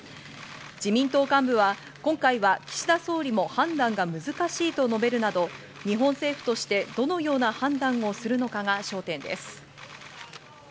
自民党幹部は今回は岸田総理も判断が難しいと述べるなど、日本政府としてどのような判断をするのかが焦点です。